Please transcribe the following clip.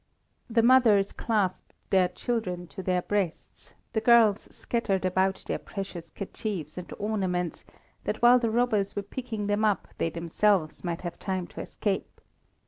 The mothers clasped their children to their breasts, the girls scattered about their precious kerchiefs and ornaments, that while the robbers were picking them up they themselves might have time to escape.